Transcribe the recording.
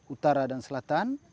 utara dan selatan